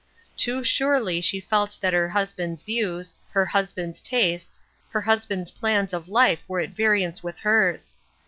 Too surely she felt that her husband's views, her husband's tastes, her husband's plans of life were at variance with hers.